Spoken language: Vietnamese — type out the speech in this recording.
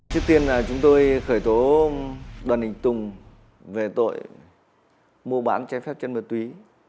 trước tiên là chúng tôi khởi tố đoàn hình tùng về tội mô bán trái phép chất ma túy